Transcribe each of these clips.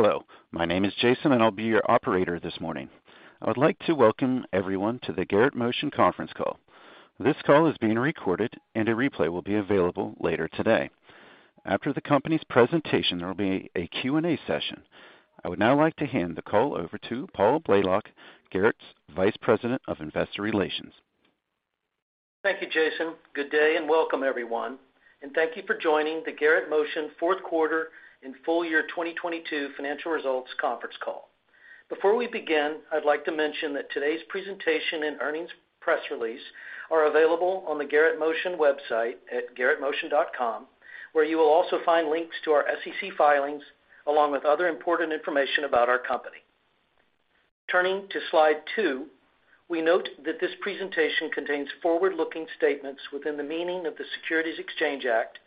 Hello, my name is Jason, and I'll be your operator this morning. I would like to welcome everyone to the Garrett Motion conference call. This call is being recorded and a replay will be available later today. After the company's presentation, there will be a Q&A session. I would now like to hand the call over to Paul Blalock, Garrett's Vice President of Investor Relations. Thank you, Jason. Good day, and welcome everyone, and thank you for joining the Garrett Motion Q4 and full year 2022 financial results conference call. Before we begin, I'd like to mention that today's presentation and earnings press release are available on the Garrett Motion website at garrettmotion.com, where you will also find links to our SEC filings, along with other important information about our company. Turning to slide two, we note that this presentation contains forward-looking statements within the meaning of the Securities Exchange Act,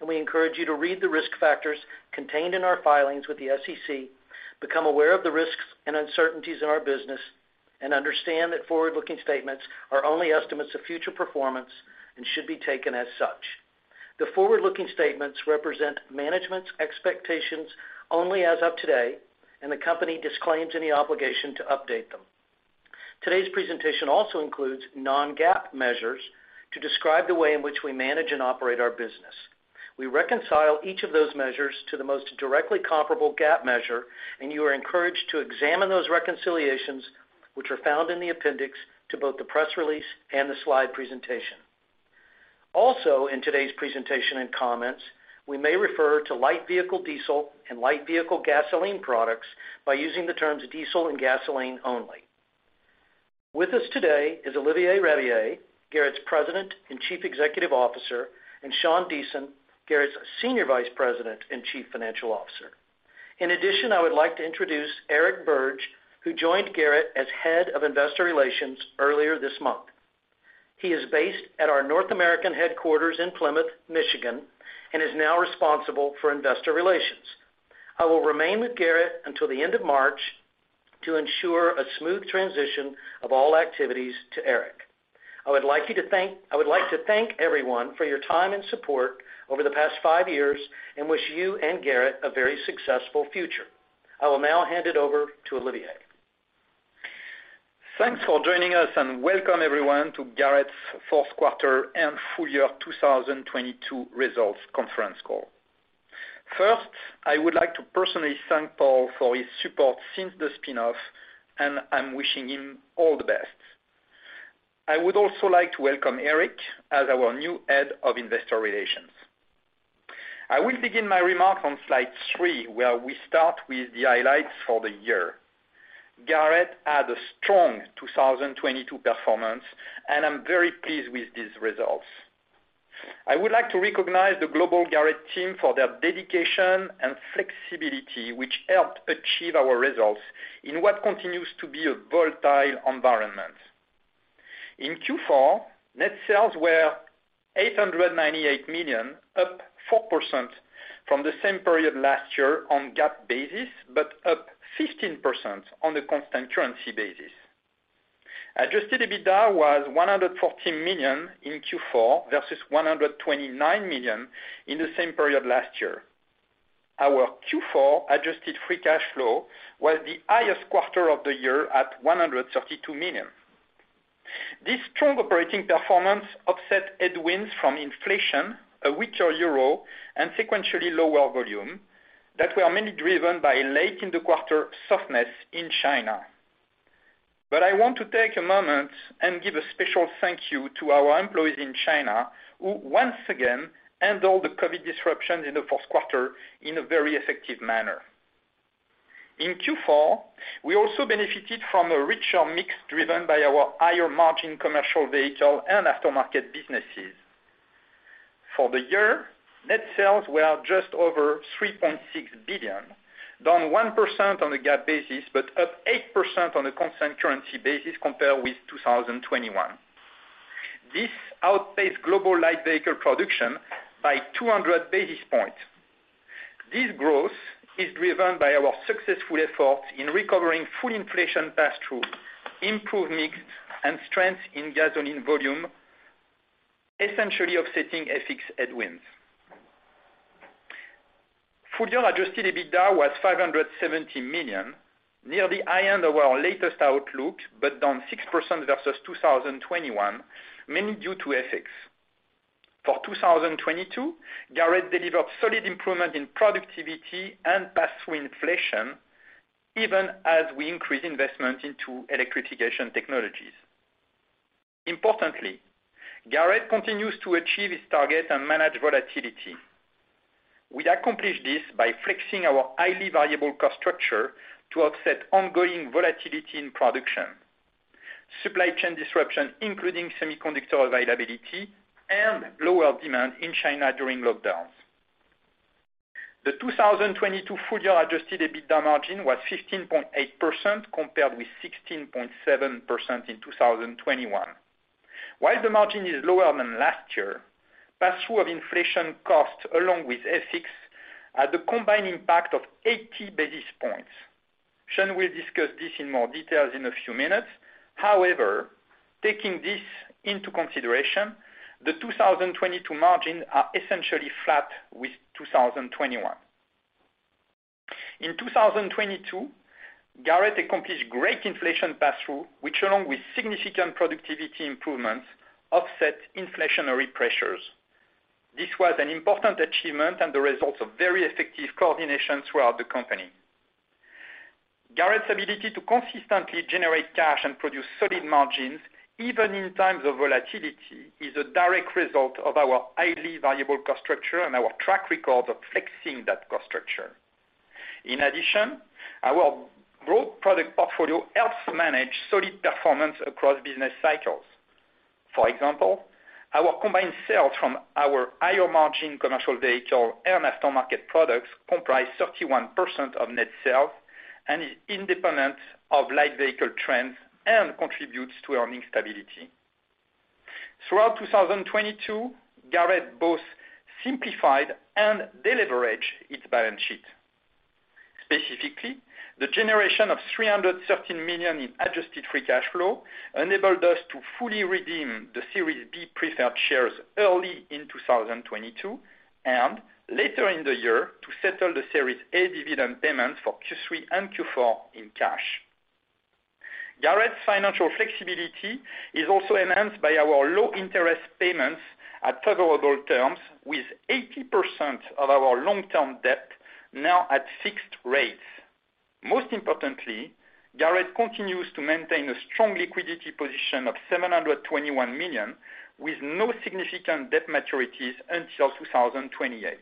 and we encourage you to read the risk factors contained in our filings with the SEC, become aware of the risks and uncertainties in our business, and understand that forward-looking statements are only estimates of future performance and should be taken as such. The forward-looking statements represent management's expectations only as of today, and the company disclaims any obligation to update them. Today's presentation also includes non-GAAP measures to describe the way in which we manage and operate our business. You are encouraged to examine those reconciliations, which are found in the appendix to both the press release and the slide presentation. In today's presentation and comments, we may refer to light vehicle diesel and light vehicle gasoline products by using the terms diesel and gasoline only. With us today is Olivier Rabiller, Garrett's President and Chief Executive Officer, and Sean Deason, Garrett's Senior Vice President and Chief Financial Officer. I would like to introduce Eric Birge, who joined Garrett as Head of Investor Relations earlier this month. He is based at our North American headquarters in Plymouth, Michigan, and is now responsible for investor relations. I will remain with Garrett until the end of March to ensure a smooth transition of all activities to Eric. I would like to thank everyone for your time and support over the past five years and wish you and Garrett a very successful future. I will now hand it over to Olivier. Thanks for joining us, welcome everyone to Garrett's Q4 and full year 2022 results conference call. First, I would like to personally thank Paul for his support since the spin-off, I'm wishing him all the best. I would also like to welcome Eric as our new Head of Investor Relations. I will begin my remarks on slide three, where we start with the highlights for the year. Garrett had a strong 2022 performance, I'm very pleased with these results. I would like to recognize the global Garrett team for their dedication and flexibility, which helped achieve our results in what continues to be a volatile environment. In Q4, net sales were $898 million, up 4% from the same period last year on GAAP basis, up 15% on a constant currency basis. Adjusted EBITDA was $114 million in Q4 versus $129 million in the same period last year. Our Q4 adjusted free cash flow was the highest quarter of the year at $132 million. This strong operating performance offset headwinds from inflation, a weaker euro and sequentially lower volume that were mainly driven by late in the quarter softness in China. I want to take a moment and give a special thank you to our employees in China, who once again handled the COVID disruptions in the Q4 in a very effective manner. In Q4, we also benefited from a richer mix driven by our higher margin commercial vehicle and aftermarket businesses. For the year, net sales were just over $3.6 billion, down 1% on a GAAP basis, but up 8% on a constant currency basis compared with 2021. This outpaced global light vehicle production by 200 basis points. This growth is driven by our successful efforts in recovering full inflation passthrough, improved mix and strength in gasoline volume, essentially offsetting FX headwinds. Full year adjusted EBITDA was $570 million, near the high end of our latest outlook, but down 6% versus 2021, mainly due to FX. For 2022, Garrett delivered solid improvement in productivity and passthrough inflation, even as we increase investment into electrification technologies. Garrett continues to achieve its target and manage volatility. We accomplish this by flexing our highly variable cost structure to offset ongoing volatility in production, supply chain disruption, including semiconductor availability and lower demand in China during lockdowns. The 2022 full year adjusted EBITDA margin was 15.8%, compared with 16.7% in 2021. While the margin is lower than last year, passthrough of inflation costs, along with FX, had a combined impact of 80 basis points. Sean will discuss this in more details in a few minutes. However, taking this into consideration, the 2022 margin are essentially flat with 2021. In 2022, Garrett accomplished great inflation pass-through, which along with significant productivity improvements, offset inflationary pressures. This was an important achievement and the results of very effective coordination throughout the company. Garrett's ability to consistently generate cash and produce solid margins, even in times of volatility, is a direct result of our highly valuable cost structure and our track record of flexing that cost structure. In addition, our broad product portfolio helps manage solid performance across business cycles. For example, our combined sales from our higher-margin commercial vehicle and aftermarket products comprise 31% of net sales and is independent of light vehicle trends and contributes to earning stability. Throughout 2022, Garrett both simplified and de-leveraged its balance sheet. Specifically, the generation of $313 million in adjusted free cash flow enabled us to fully redeem the Series B preferred shares early in 2022, and later in the year to settle the Series A dividend payments for Q3 and Q4 in cash. Garrett's financial flexibility is also enhanced by our low-interest payments at favorable terms, with 80% of our long-term debt now at fixed rates. Most importantly, Garrett continues to maintain a strong liquidity position of $721 million, with no significant debt maturities until 2028.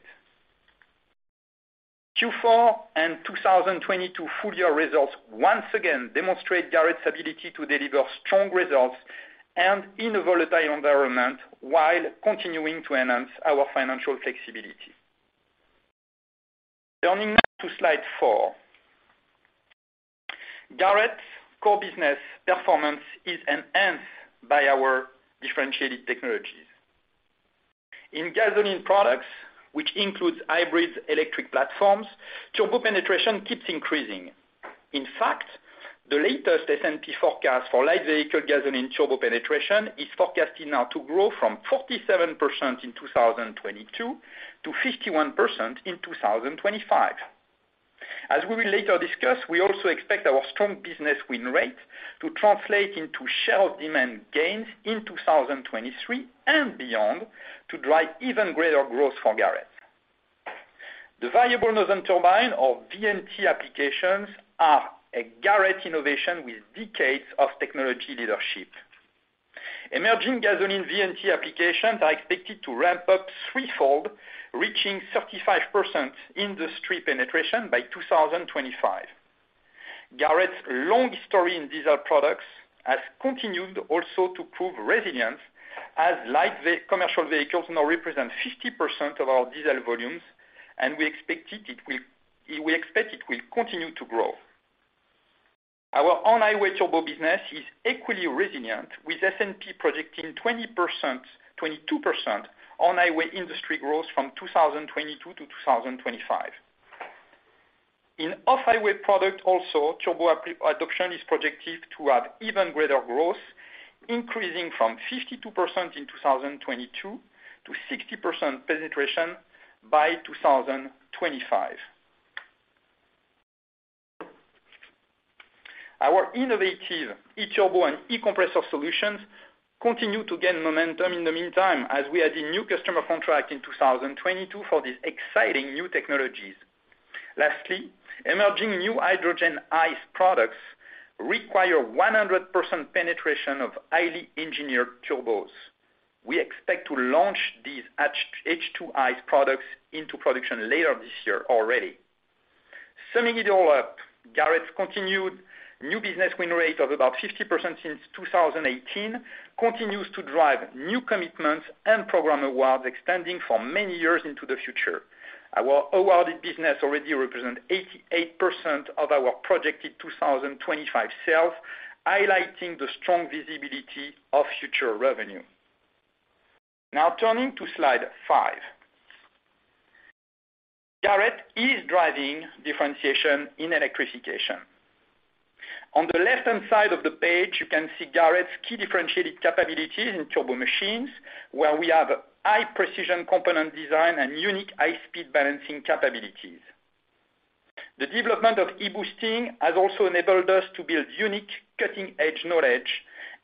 Q4 and 2022 full-year results once again demonstrate Garrett's ability to deliver strong results and in a volatile environment while continuing to enhance our financial flexibility. Turning now to slide four. Garrett's core business performance is enhanced by our differentiated technologies. In gasoline products, which includes hybrids electric platforms, turbo penetration keeps increasing. In fact, the latest S&P forecast for light vehicle gasoline turbo penetration is forecasting now to grow from 47% in 2022 to 51% in 2025. As we will later discuss, we also expect our strong business win rate to translate into share demand gains in 2023 and beyond to drive even greater growth for Garrett. The variable nozzle turbine, or VNT applications, are a Garrett innovation with decades of technology leadership. Emerging gasoline VNT applications are expected to ramp up 3-fold, reaching 35% industry penetration by 2025. Garrett's long history in diesel products has continued also to prove resilient, as light commercial vehicles now represent 50% of our diesel volumes, and we expect it will continue to grow. Our on-highway turbo business is equally resilient, with S&P projecting 20%-22% on-highway industry growth from 2022 to 2025. In off-highway product also, adoption is projected to have even greater growth, increasing from 52% in 2022 to 60% penetration by 2025. Our innovative E-Turbo and E-Compressor solutions continue to gain momentum in the meantime, as we add a new customer contract in 2022 for these exciting new technologies. Lastly, emerging new hydrogen ICE products require 100% penetration of highly engineered turbos. We expect to launch these H2-ICE products into production later this year already. Summing it all up, Garrett's continued new business win rate of about 50% since 2018 continues to drive new commitments and program awards extending for many years into the future. Our awarded business already represent 88% of our projected 2025 sales, highlighting the strong visibility of future revenue. Now turning to slide five. Garrett is driving differentiation in electrification. On the left-hand side of the page, you can see Garrett's key differentiated capabilities in turbo machines, where we have high-precision component design and unique high-speed balancing capabilities. The development of e-boosting has also enabled us to build unique cutting-edge knowledge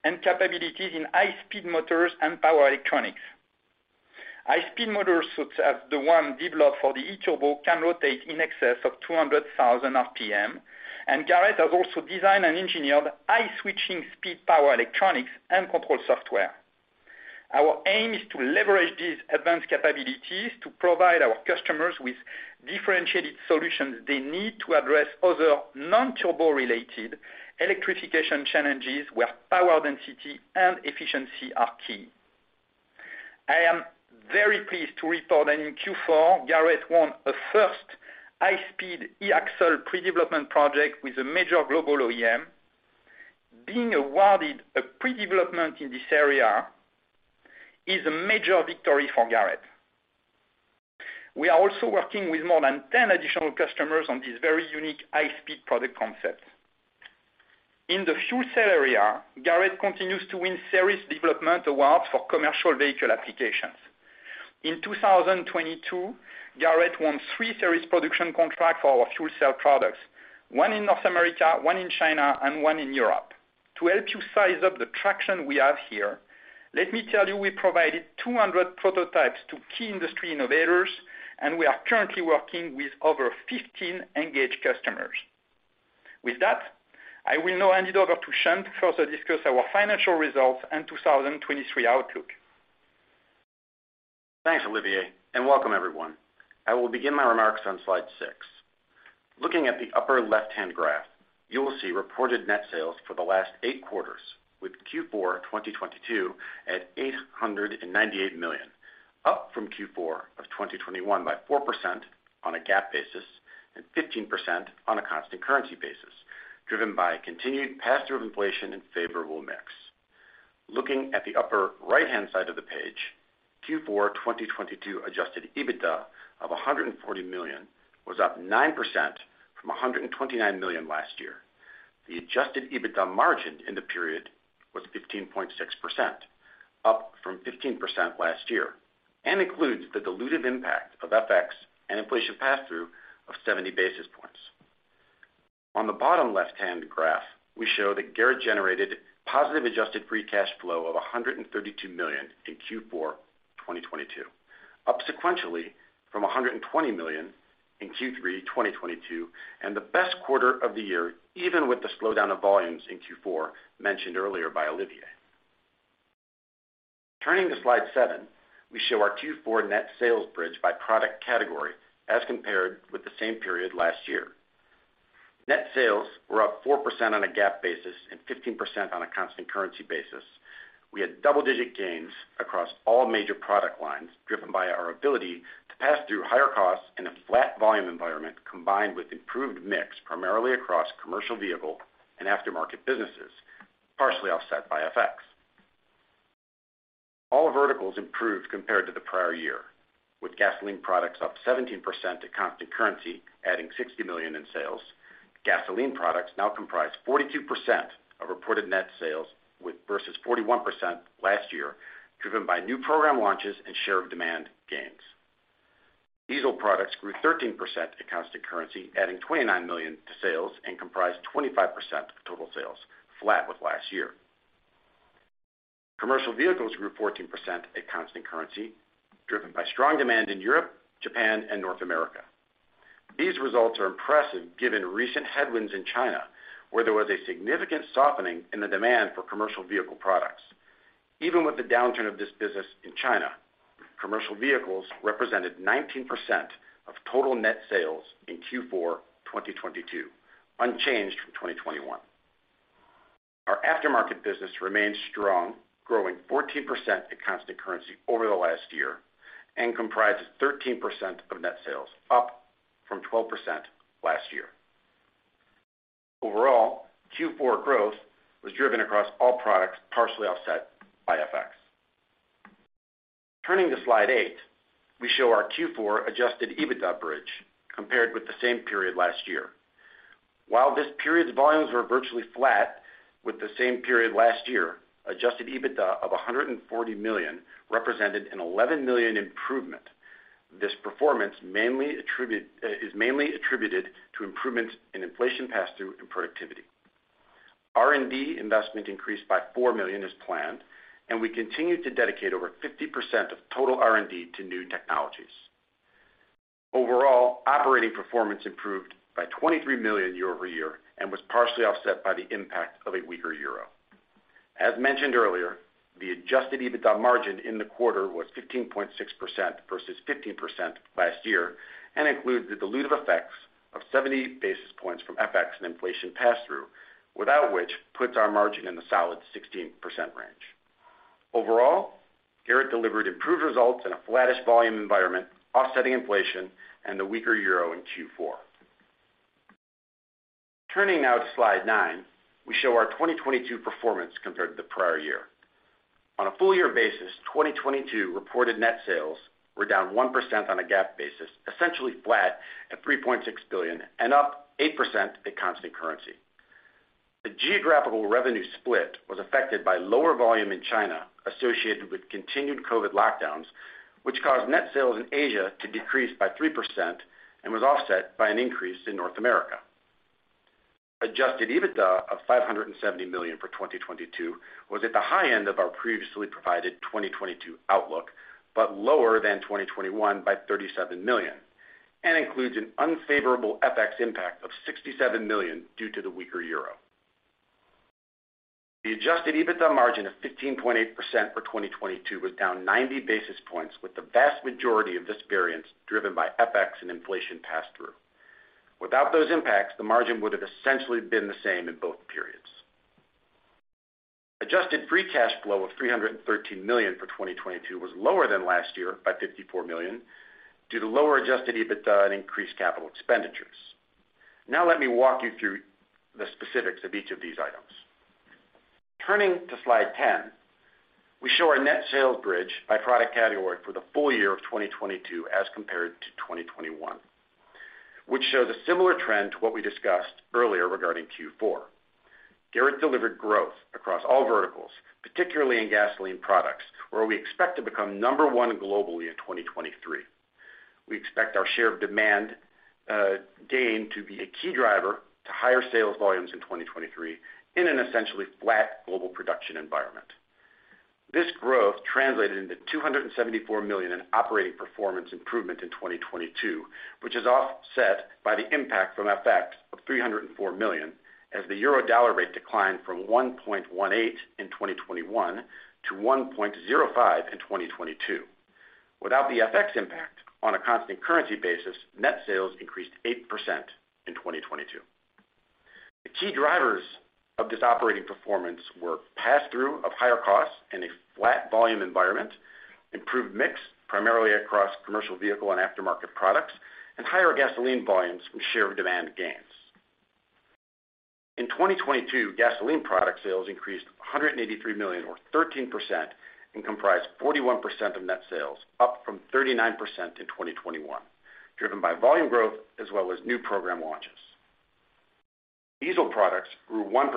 and capabilities in high-speed motors and power electronics. High-speed motors, such as the one developed for the E-Turbo, can rotate in excess of 200,000 RPM, and Garrett has also designed and engineered high switching speed power electronics and control software. Our aim is to leverage these advanced capabilities to provide our customers with differentiated solutions they need to address other non-turbo related electrification challenges where power density and efficiency are key. I am very pleased to report that in Q4, Garrett won a first high-speed E-Axle pre-development project with a major global OEM. Being awarded a pre-development in this area is a major victory for Garrett. We are also working with more than 10 additional customers on this very unique high-speed product concept. In the fuel cell area, Garrett continues to win series development awards for commercial vehicle applications. In 2022, Garrett won 3 series production contract for our fuel cell products, one in North America, one in China and one in Europe. To help you size up the traction we have here, let me tell you, we provided 200 prototypes to key industry innovators, and we are currently working with over 15 engaged customers. With that, I will now hand it over to Sean to further discuss our financial results and 2023 outlook. Thanks, Olivier, and welcome everyone. I will begin my remarks on slide six. Looking at the upper left-hand graph, you will see reported net sales for the last eight quarters with Q4 2022 at $898 million, up from Q4 of 2021 by 4% on a GAAP basis and 15% on a constant currency basis, driven by continued pass-through of inflation and favorable mix. Looking at the upper right-hand side of the page, Q4 2022 adjusted EBITDA of $140 million was up 9% from $129 million last year. The adjusted EBITDA margin in the period was 15.6%, up from 15% last year, and includes the dilutive impact of FX and inflation pass-through of 70 basis points. On the bottom left-hand graph, we show that Garrett generated positive adjusted free cash flow of $132 million in Q4 2022, up sequentially from $120 million in Q3 2022, and the best quarter of the year, even with the slowdown of volumes in Q4 mentioned earlier by Olivier. Turning to slide seven, we show our Q4 net sales bridge by product category as compared with the same period last year. Net sales were up 4% on a GAAP basis and 15% on a constant currency basis. We had double-digit gains across all major product lines, driven by our ability to pass through higher costs in a flat volume environment, combined with improved mix, primarily across commercial vehicle and aftermarket businesses, partially offset by FX. All verticals improved compared to the prior year, with gasoline products up 17% at constant currency, adding $60 million in sales. Gasoline products now comprise 42% of reported net sales with versus 41% last year, driven by new program launches and share of demand gains. Diesel products grew 13% at constant currency, adding $29 million to sales and comprised 25% of total sales, flat with last year. Commercial vehicles grew 14% at constant currency, driven by strong demand in Europe, Japan and North America. These results are impressive given recent headwinds in China, where there was a significant softening in the demand for commercial vehicle products. Even with the downturn of this business in China, commercial vehicles represented 19% of total net sales in Q4 2022, unchanged from 2021. Our aftermarket business remains strong, growing 14% at constant currency over the last year and comprises 13% of net sales, up from 12% last year. Overall, Q4 growth was driven across all products, partially offset by FX. Turning to slide eight, we show our Q4 adjusted EBITDA bridge compared with the same period last year. While this period's volumes were virtually flat with the same period last year, adjusted EBITDA of $140 million represented an $11 million improvement. This performance is mainly attributed to improvements in inflation pass-through and productivity. R&D investment increased by $4 million as planned, and we continued to dedicate over 50% of total R&D to new technologies. Overall, operating performance improved by $23 million year-over-year and was partially offset by the impact of a weaker euro. As mentioned earlier, the adjusted EBITDA margin in the quarter was 15.6% versus 15% last year, includes the dilutive effects of 70 basis points from FX and inflation pass-through, without which puts our margin in the solid 16% range. Overall, Garrett delivered improved results in a flattish volume environment, offsetting inflation and the weaker euro in Q4. Turning now to slide nine, we show our 2022 performance compared to the prior year. On a full year basis, 2022 reported net sales were down 1% on a GAAP basis, essentially flat at $3.6 billion and up 8% at constant currency. The geographical revenue split was affected by lower volume in China associated with continued COVID lockdowns, which caused net sales in Asia to decrease by 3% and was offset by an increase in North America. adjusted EBITDA of $570 million for 2022 was at the high end of our previously provided 2022 outlook, but lower than 2021 by $37 million, and includes an unfavorable FX impact of $67 million due to the weaker euro. The adjusted EBITDA margin of 15.8% for 2022 was down 90 basis points, with the vast majority of this variance driven by FX and inflation pass-through. Without those impacts, the margin would have essentially been the same in both periods. adjusted free cash flow of $313 million for 2022 was lower than last year by $54 million due to lower adjusted EBITDA and increased capital expenditures. Let me walk you through the specifics of each of these items. Turning to slide 10, we show our net sales bridge by product category for the full year of 2022 as compared to 2021. Shows a similar trend to what we discussed earlier regarding Q4. Garrett delivered growth across all verticals, particularly in gasoline products, where we expect to become number one globally in 2023. We expect our share of demand gain to be a key driver to higher sales volumes in 2023 in an essentially flat global production environment. This growth translated into $274 million in operating performance improvement in 2022, which is offset by the impact from FX of $304 million as the Euro dollar rate declined from 1.18 in 2021 to 1.05 in 2022. Without the FX impact on a constant currency basis, net sales increased 8% in 2022. The key drivers of this operating performance were pass-through of higher costs in a flat volume environment, improved mix primarily across commercial vehicle and aftermarket products, and higher gasoline volumes from share demand gains. In 2022, gasoline product sales increased $183 million or 13% and comprised 41% of net sales, up from 39% in 2021, driven by volume growth as well as new program launches. Diesel products grew 1%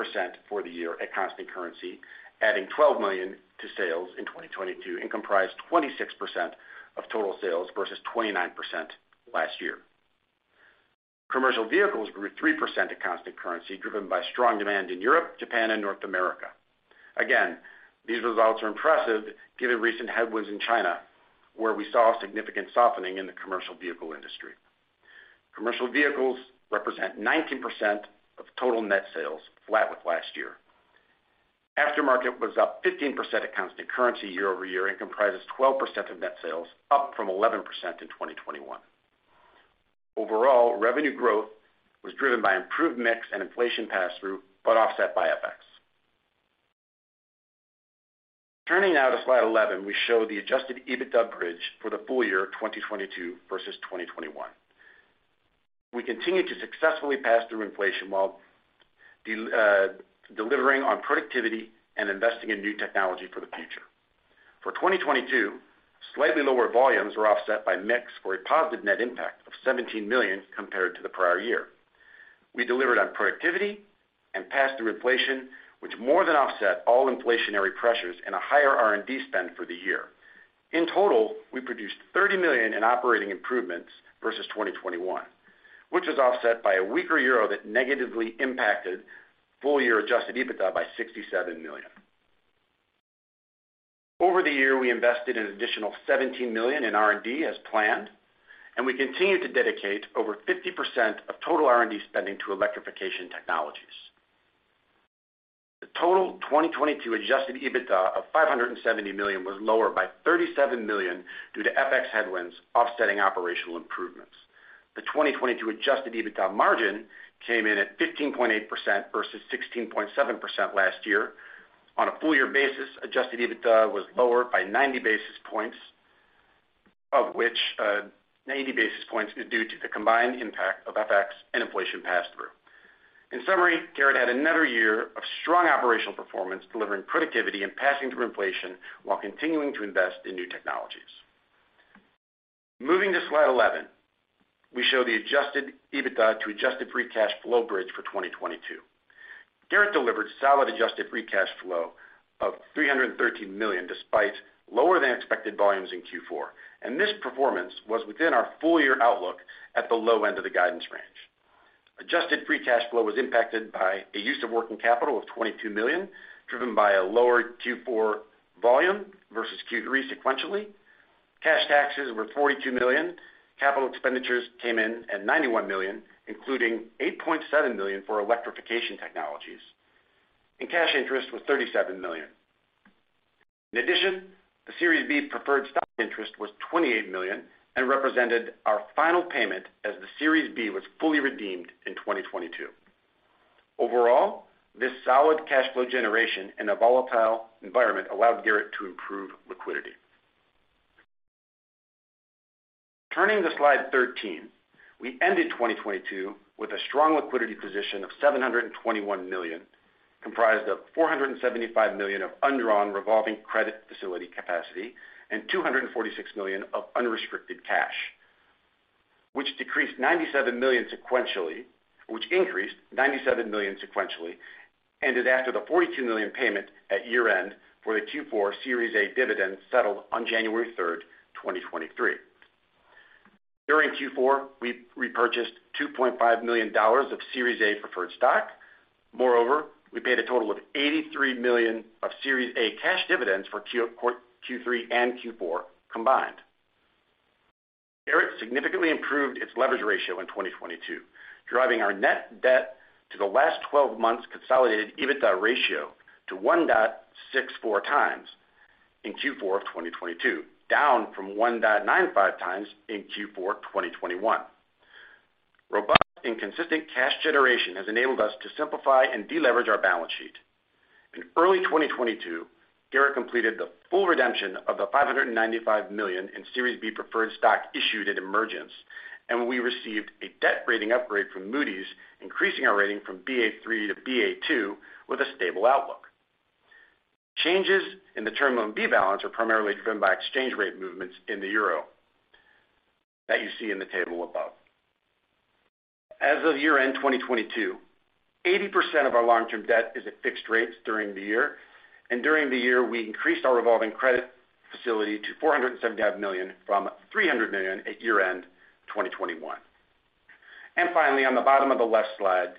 for the year at constant currency, adding $12 million to sales in 2022, and comprised 26% of total sales versus 29% last year. Commercial vehicles grew 3% at constant currency, driven by strong demand in Europe, Japan, and North America. Again, these results are impressive given recent headwinds in China, where we saw a significant softening in the commercial vehicle industry. Commercial vehicles represent 19% of total net sales flat with last year. Aftermarket was up 15% at constant currency year-over-year and comprises 12% of net sales, up from 11% in 2021. Overall, revenue growth was driven by improved mix and inflation pass-through, but offset by FX. Turning now to slide 11, we show the adjusted EBITDA bridge for the full year of 2022 versus 2021. We continue to successfully pass through inflation while delivering on productivity and investing in new technology for the future. For 2022, slightly lower volumes were offset by mix for a positive net impact of $17 million compared to the prior year. We delivered on productivity and pass-through inflation, which more than offset all inflationary pressures and a higher R&D spend for the year. In total, we produced $30 million in operating improvements versus 2021, which was offset by a weaker Euro that negatively impacted full year adjusted EBITDA by $67 million. Over the year, we invested an additional $17 million in R&D as planned, and we continued to dedicate over 50% of total R&D spending to electrification technologies. The total 2022 adjusted EBITDA of $570 million was lower by $37 million due to FX headwinds offsetting operational improvements. The 2022 adjusted EBITDA margin came in at 15.8% versus 16.7% last year. On a full year basis, adjusted EBITDA was lower by 90 basis points, of which, 90 basis points is due to the combined impact of FX and inflation pass-through. In summary, Garrett had another year of strong operational performance, delivering productivity and passing through inflation while continuing to invest in new technologies. Moving to slide 11, we show the adjusted EBITDA to adjusted free cash flow bridge for 2022. Garrett delivered solid adjusted free cash flow of $313 million, despite lower than expected volumes in Q4, and this performance was within our full year outlook at the low end of the guidance range. Adjusted free cash flow was impacted by a use of working capital of $22 million, driven by a lower Q4 volume versus Q3 sequentially. Cash taxes were $42 million. Capital expenditures came in at $91 million, including $8.7 million for electrification technologies. Cash interest was $37 million. In addition, the Series B preferred stock interest was $28 million and represented our final payment as the Series B was fully redeemed in 2022. Overall, this solid cash flow generation in a volatile environment allowed Garrett to improve liquidity. Turning to slide 13. We ended 2022 with a strong liquidity position of $721 million, comprised of $475 million of undrawn revolving credit facility capacity and $246 million of unrestricted cash, which increased $97 million sequentially, ended after the $42 million payment at year-end for the Q4 Series A dividend settled on January 3rd, 2023. During Q4, we repurchased $2.5 million of Series A preferred stock. Moreover, we paid a total of $83 million of Series A cash dividends for Q3 and Q4 combined. Garrett significantly improved its leverage ratio in 2022, driving our net debt to the last twelve months consolidated EBITDA ratio to 1.64 times in Q4 of 2022, down from 1.95 times in Q4 of 2021. Robust and consistent cash generation has enabled us to simplify and deleverage our balance sheet. In early 2022, Garrett completed the full redemption of the $595 million in Series B preferred stock issued at emergence, and we received a debt rating upgrade from Moody's, increasing our rating from Ba3 to Ba2 with a stable outlook. Changes in the term loan B balance are primarily driven by exchange rate movements in the euro that you see in the table above. As of year-end 2022, 80% of our long-term debt is at fixed rates during the year, and during the year, we increased our revolving credit facility to $475 million from $300 million at year-end 2021. Finally, on the bottom of the left slide,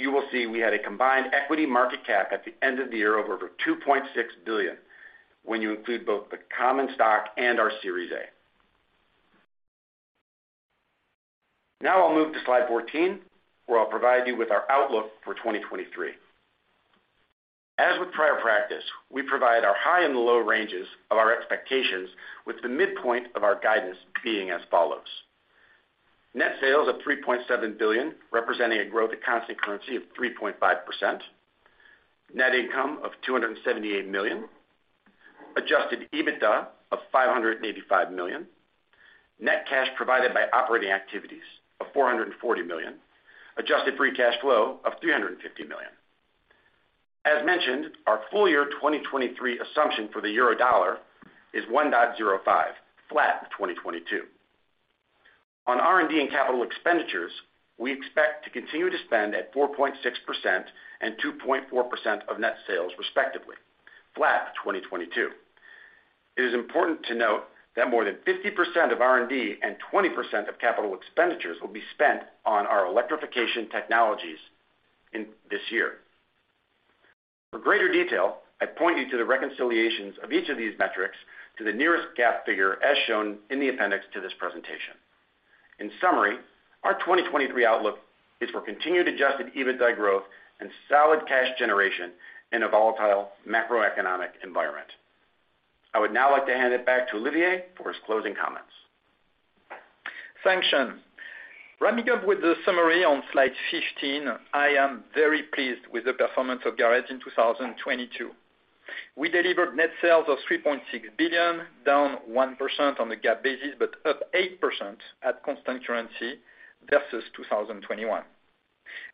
you will see we had a combined equity market cap at the end of the year of over $2.6 billion when you include both the common stock and our Series A. I'll move to slide 14, where I'll provide you with our outlook for 2023. As with prior practice, we provide our high and low ranges of our expectations with the midpoint of our guidance being as follows. Net sales of $3.7 billion, representing a growth at constant currency of 3.5%. Net income of $278 million. Adjusted EBITDA of $585 million. Net cash provided by operating activities of $440 million. Adjusted free cash flow of $350 million. As mentioned, our full year 2023 assumption for the EUR is 1.05, flat 2022. On R&D and capital expenditures, we expect to continue to spend at 4.6% and 2.4% of net sales, respectively, flat 2022. It is important to note that more than 50% of R&D and 20% of capital expenditures will be spent on our electrification technologies in this year. For greater detail, I point you to the reconciliations of each of these metrics to the nearest GAAP figure as shown in the appendix to this presentation. In summary, our 2023 outlook is for continued adjusted EBITDA growth and solid cash generation in a volatile macroeconomic environment. I would now like to hand it back to Olivier for his closing comments. Thanks, Sean. Wrapping up with the summary on slide 15, I am very pleased with the performance of Garrett in 2022. We delivered net sales of $3.6 billion, down 1% on the GAAP basis, but up 8% at constant currency versus 2021.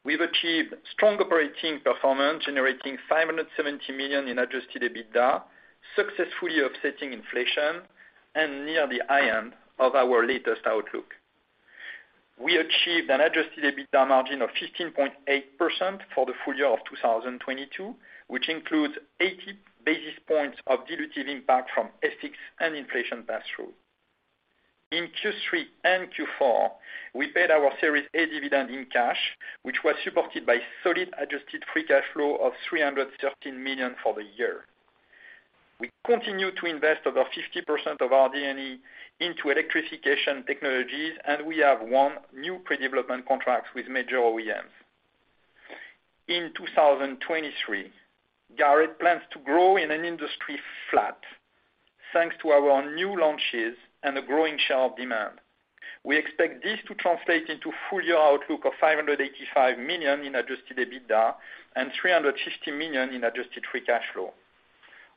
We've achieved strong operating performance, generating $570 million in adjusted EBITDA, successfully offsetting inflation and near the high end of our latest outlook. We achieved an adjusted EBITDA margin of 15.8% for the full year of 2022, which includes 80 basis points of dilutive impact from FX and inflation passthrough. In Q3 and Q4, we paid our Series A dividend in cash, which was supported by solid adjusted free cash flow of $313 million for the year. We continue to invest over 50% of our R&D into electrification technologies, and we have won new pre-development contracts with major OEMs. In 2023, Garrett plans to grow in an industry flat thanks to our new launches and a growing share of demand. We expect this to translate into full year outlook of $585 million in adjusted EBITDA and $350 million in adjusted free cash flow.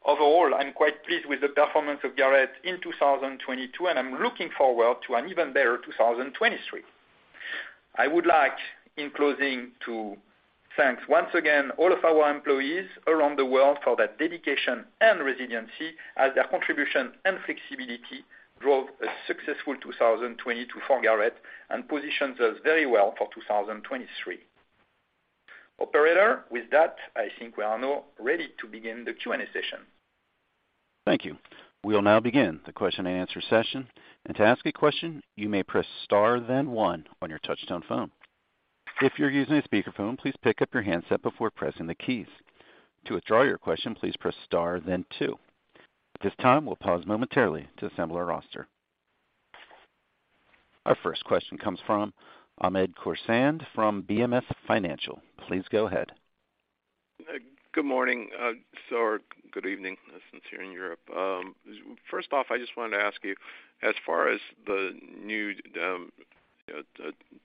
Overall, I'm quite pleased with the performance of Garrett in 2022, and I'm looking forward to an even better 2023. I would like, in closing, to thank once again all of our employees around the world for their dedication and resiliency as their contribution and flexibility drove a successful 2022 for Garrett and positions us very well for 2023. Operator, with that, I think we are now ready to begin the Q&A session. Thank you. We'll now begin the question-and-answer session. To ask a question, you may press star then one on your touch-tone phone. If you're using a speakerphone, please pick up your handset before pressing the keys. To withdraw your question, please press star then two. At this time, we'll pause momentarily to assemble our roster. Our first question comes from Hamed Khorsand from BWS Financial. Please go ahead. Good morning, or good evening, since you're in Europe. First off, I just wanted to ask you, as far as the new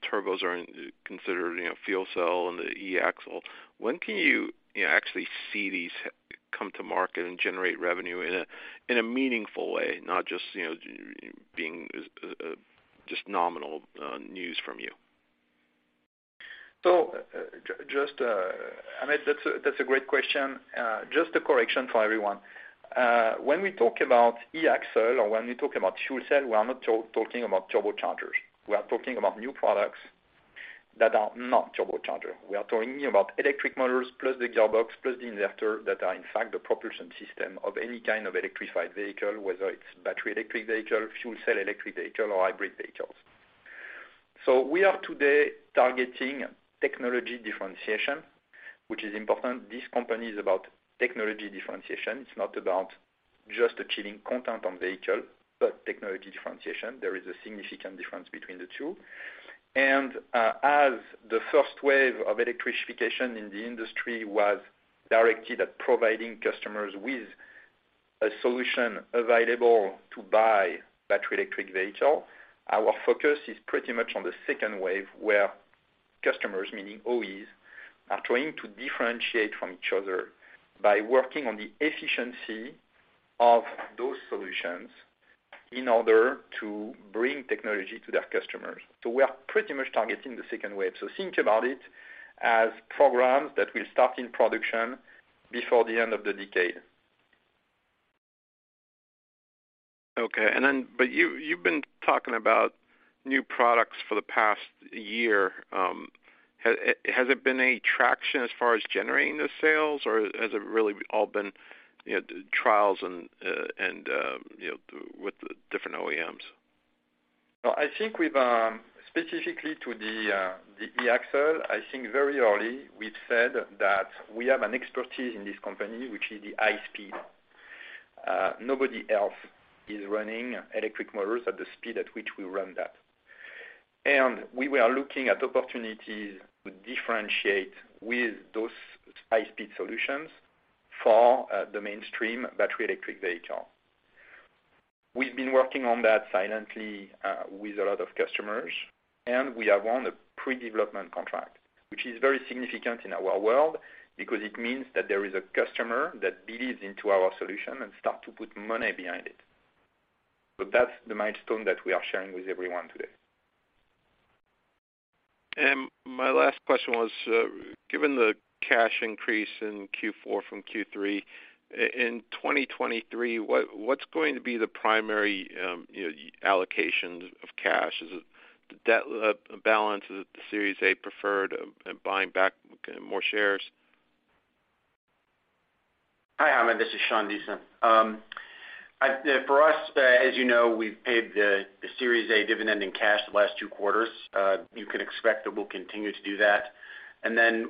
turbos are considered, you know, fuel cell and the E-Axle, when can you know, actually see these come to market and generate revenue in a meaningful way, not just, you know, being just nominal news from you? Just, Hamed, that's a, that's a great question. Just a correction for everyone. When we talk about E-Axle or when we talk about fuel cell, we are not talking about turbochargers. We are talking about new products that are not turbocharger. We are talking about electric motors plus the Gearbox plus the Inverter that are in fact the propulsion system of any kind of electrified vehicle, whether it's battery electric vehicle, fuel cell electric vehicle, or hybrid vehicles. We are today targeting technology differentiation, which is important. This company is about technology differentiation. It's not about just achieving content on vehicle, but technology differentiation. There is a significant difference between the two. As the first wave of electrification in the industry was directed at providing customers with a solution available to buy battery electric vehicle. Our focus is pretty much on the second wave, where customers, meaning OEs, are trying to differentiate from each other by working on the efficiency of those solutions in order to bring technology to their customers. We are pretty much targeting the second wave. Think about it as programs that will start in production before the end of the decade. Okay. You, you've been talking about new products for the past year. Has there been any traction as far as generating those sales, or has it really all been, you know, trials and, you know, with the different OEMs? No, I think we've specifically to the E-Axle, I think very early, we've said that we have an expertise in this company, which is the high speed. Nobody else is running electric motors at the speed at which we run that. We were looking at opportunities to differentiate with those high-speed solutions for the mainstream battery electric vehicle. We've been working on that silently with a lot of customers, and we have won a pre-development contract, which is very significant in our world because it means that there is a customer that believes into our solution and start to put money behind it. That's the milestone that we are sharing with everyone today. My last question was, given the cash increase in Q4 from Q3, in 2023, what's going to be the primary, you know, allocations of cash? Is it the debt, balances, the Series A preferred, and buying back more shares? Hi, Armand, this is Sean Deason. For us, as you know, we've paid the Series A dividend in cash the last 2 quarters. You can expect that we'll continue to do that. Then,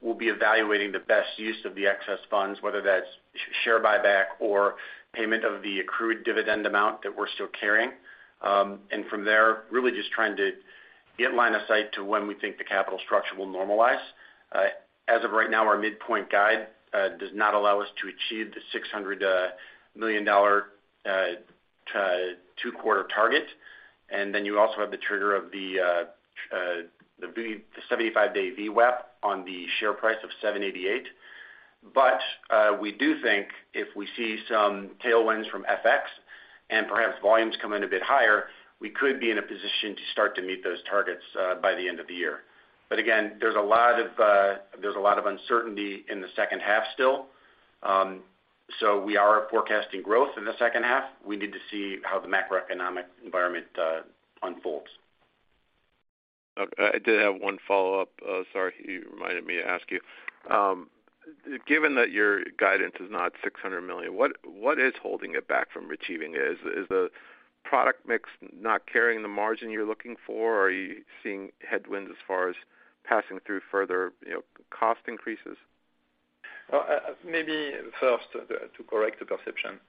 we'll be evaluating the best use of the excess funds, whether that's share buyback or payment of the accrued dividend amount that we're still carrying. From there, really just trying to get line of sight to when we think the capital structure will normalize. As of right now, our midpoint guide does not allow us to achieve the $600 million 2-quarter target. Then you also have the trigger of the 75-day VWAP on the share price of $7.88. We do think if we see some tailwinds from FX and perhaps volumes come in a bit higher, we could be in a position to start to meet those targets by the end of the year. Again, there's a lot of uncertainty in the second half still. We are forecasting growth in the second half. We need to see how the macroeconomic environment unfolds. Okay. I did have one follow-up. Sorry, you reminded me to ask you. Given that your guidance is not $600 million, what is holding it back from achieving it? Is the product mix not carrying the margin you're looking for, or are you seeing headwinds as far as passing through further, you know, cost increases? Well, maybe first to correct the perception,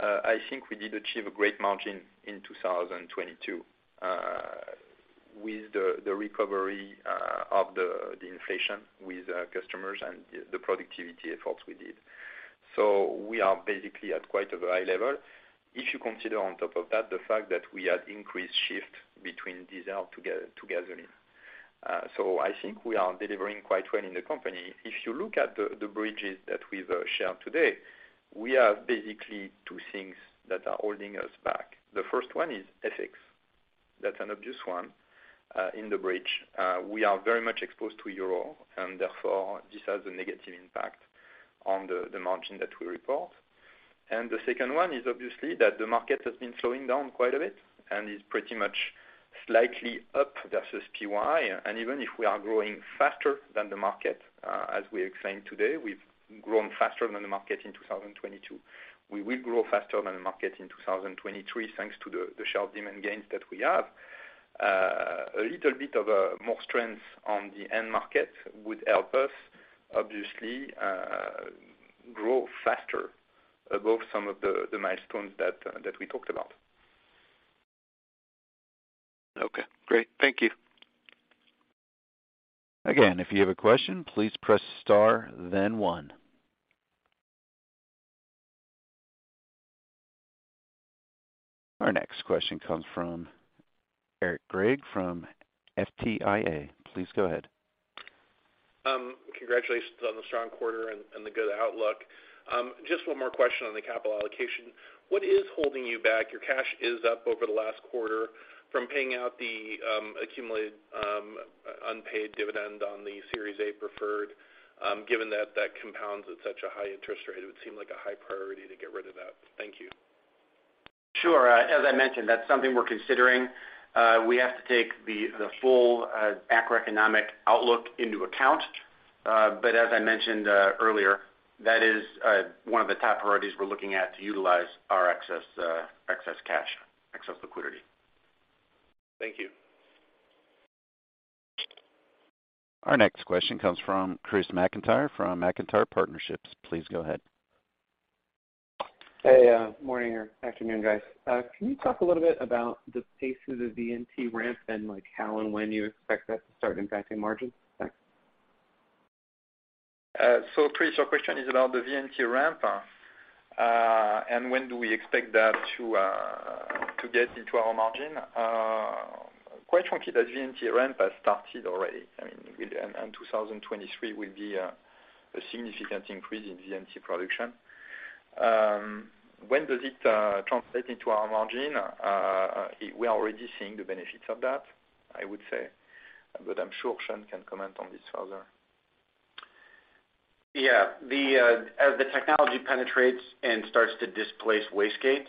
I think we did achieve a great margin in 2022 with the recovery of the inflation with customers and the productivity efforts we did. We are basically at quite a high level. If you consider on top of that the fact that we had increased shift between diesel to gasoline. I think we are delivering quite well in the company. If you look at the bridges that we've shared today, we have basically two things that are holding us back. The first one is FX. That's an obvious one in the bridge. We are very much exposed to EUR, and therefore, this has a negative impact on the margin that we report. The second one is obviously that the market has been slowing down quite a bit and is pretty much slightly up versus PY. Even if we are growing faster than the market, as we explained today, we've grown faster than the market in 2022. We will grow faster than the market in 2023, thanks to the sharp demand gains that we have. A little bit of more strength on the end market would help us obviously, grow faster above some of the milestones that we talked about. Okay, great. Thank you. Again, if you have a question, please press star then one. Our next question comes from Eric Gregg from FTIA. Please go ahead. Congratulations on the strong quarter and the good outlook. Just one more question on the capital allocation. What is holding you back? Your cash is up over the last quarter from paying out the accumulated unpaid dividend on the Series A preferred, given that compounds at such a high interest rate, it would seem like a high priority to get rid of that. Thank you. Sure. As I mentioned, that's something we're considering. We have to take the full macroeconomic outlook into account. As I mentioned earlier, that is one of the top priorities we're looking at to utilize our excess cash, excess liquidity. Thank you. Our next question comes from Chris McIntyre from McIntyre Partnerships. Please go ahead. Hey, morning or afternoon, guys. Can you talk a little bit about the pace of the D&T ramp and, like, how and when you expect that to start impacting margins? Thanks. Chris, your question is about the VNT ramp, and when do we expect that to get into our margin. Quite frankly, that VNT ramp has started already. I mean, and 2023 will be a significant increase in VNT production. When does it translate into our margin? We are already seeing the benefits of that, I would say, but I'm sure Sean can comment on this further. Yeah. The, as the technology penetrates and starts to displace wastegate,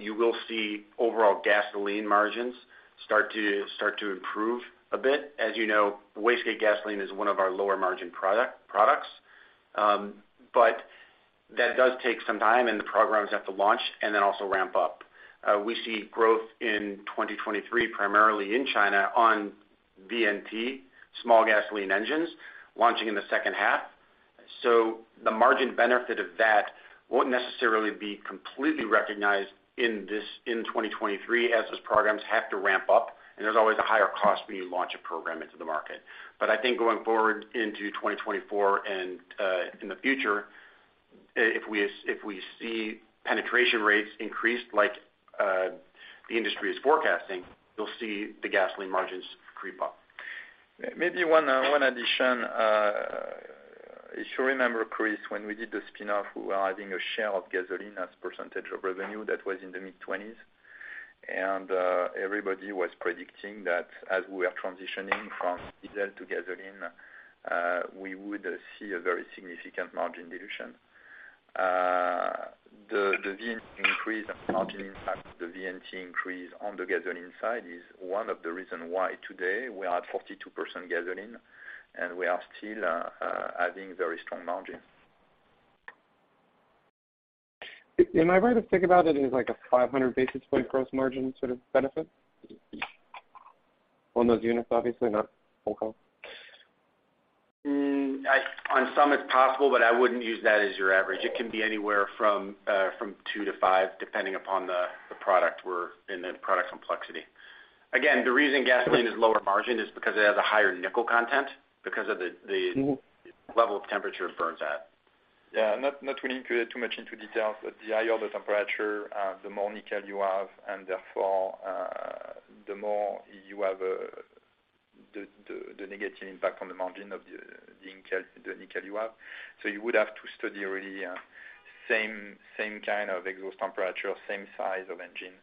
you will see overall gasoline margins start to improve a bit. As you know, wastegate gasoline is one of our lower margin products, that does take some time, and the programs have to launch and then also ramp up. We see growth in 2023, primarily in China on VNT, small gasoline engines launching in the second half. The margin benefit of that won't necessarily be completely recognized in this, in 2023 as those programs have to ramp up, and there's always a higher cost when you launch a program into the market. I think going forward into 2024 and, in the future, if we see penetration rates increase like the industry is forecasting, you'll see the gasoline margins creep up. Maybe one addition. If you remember, Chris, when we did the spin-off, we were adding a share of gasoline as percentage of revenue that was in the mid-20s. Everybody was predicting that as we are transitioning from diesel to gasoline, we would see a very significant margin dilution. The VNT increase and margin impact, the VNT increase on the gasoline side is one of the reason why today we are at 42% gasoline, and we are still adding very strong margins. Am I right to think about it as like a 500 basis point gross margin sort of benefit on those units, obviously not whole call? On some it's possible, I wouldn't use that as your average. It can be anywhere from 2-5 depending upon the product complexity. The reason gasoline is lower margin is because it has a higher nickel content because of. Mm-hmm. level of temperature it burns at. Yeah. Not, not going into too much into details, but the higher the temperature, the more nickel you have, and therefore, the more you have, the negative impact on the margin of the nickel you have. So you would have to study really, same kind of exhaust temperature, same size of engine.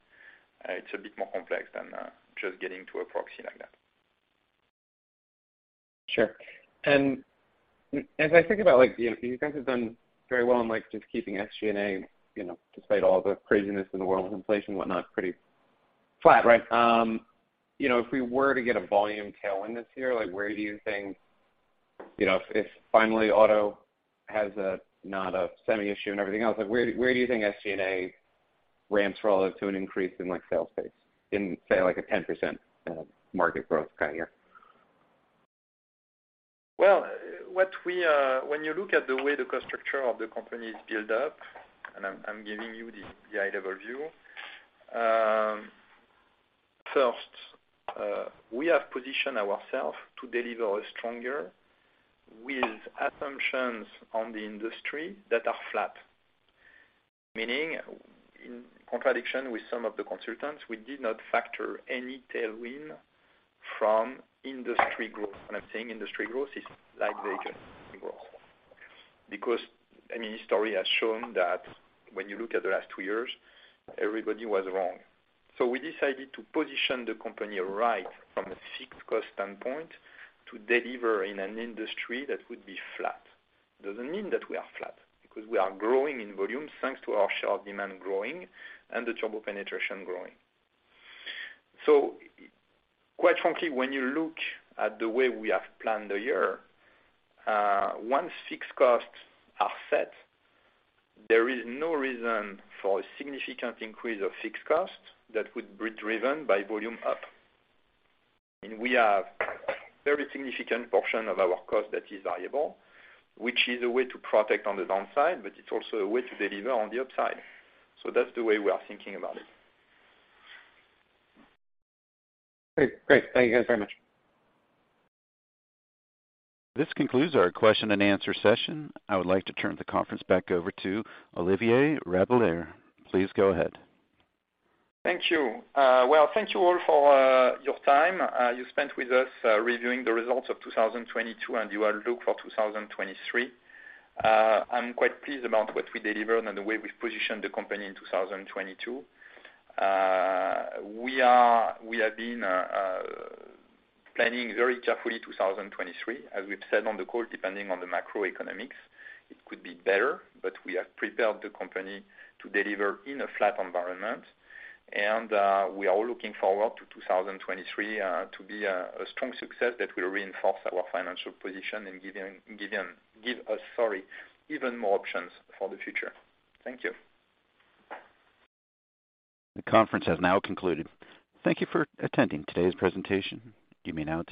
It's a bit more complex than just getting to a proxy like that. Sure. As I think about like VNT, you guys have done very well on like just keeping SG&A, you know, despite all the craziness in the world with inflation and whatnot. Flat, right. You know, if we were to get a volume tailwind this year, like where do you think, you know, if finally auto has a, not a semi issue and everything else, like where do you think SG&A ramps relative to an increase in like sales pace in, say like a 10%, market growth kind of year? What we, when you look at the way the cost structure of the company is built up, and I'm giving you the high-level view, first, we have positioned ourselves to deliver a stronger with assumptions on the industry that are flat. Meaning in contradiction with some of the consultants, we did not factor any tailwind from industry growth. When I'm saying industry growth, it's like the agency growth. I mean, history has shown that when you look at the last two years, everybody was wrong. We decided to position the company right from a fixed-cost standpoint to deliver in an industry that would be flat. It doesn't mean that we are flat, because we are growing in volume thanks to our share demand growing and the turbo penetration growing. Quite frankly, when you look at the way we have planned the year, once fixed costs are set, there is no reason for a significant increase of fixed costs that would be driven by volume up. We have a very significant portion of our cost that is variable, which is a way to protect on the downside, but it's also a way to deliver on the upside. That's the way we are thinking about it. Great. Great. Thank you guys very much. This concludes our question and answer session. I would like to turn the conference back over to Olivier Rabiller. Please go ahead. Thank you. Well, thank you all for your time, you spent with us, reviewing the results of 2022 and our look for 2023. I'm quite pleased about what we delivered and the way we've positioned the company in 2022. We have been planning very carefully 2023, as we've said on the call, depending on the macroeconomics. It could be better, but we have prepared the company to deliver in a flat environment. We are all looking forward to 2023 to be a strong success that will reinforce our financial position and give us, sorry, even more options for the future. Thank you. The conference has now concluded. Thank you for attending today's presentation. You may now disconnect.